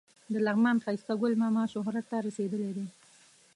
د لغمان ښایسته ګل ماما شهرت ته رسېدلی دی.